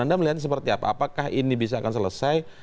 anda melihatnya seperti apa apakah ini bisa akan selesai